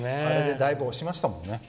だいぶ押しましたもんね。